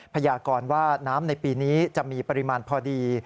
พยากรว่าน้ำในปีนี้จะมีปริมาณพอดี